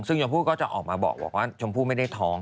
ซึ่งชมพู่ก็จะออกมาบอกว่าชมพู่ไม่ได้ท้อง